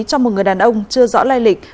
cho một người đàn ông chưa rõ lai lịch